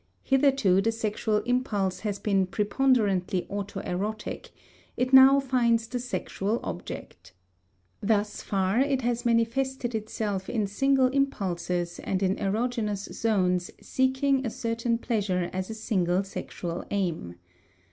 Hitherto the sexual impulse has been preponderantly autoerotic; it now finds the sexual object. Thus far it has manifested itself in single impulses and in erogenous zones seeking a certain pleasure as a single sexual aim.